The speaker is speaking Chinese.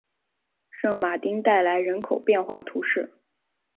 圣马丁代来人口变化图示